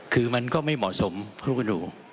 คือมันก็ไม่เหมาะสมพวกเมื่อนหนู